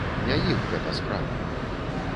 Не іх гэта справа.